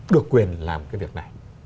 được quyền làm cái việc này